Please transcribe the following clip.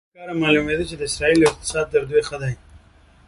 له دې کار نه معلومېدل چې د اسرائیلو اقتصاد تر دوی ښه دی.